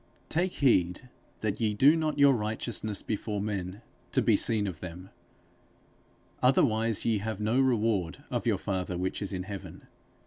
_ Take heed that ye do not your righteousness before men to be seen of them; otherwise ye have no reward of your father which is in heaven....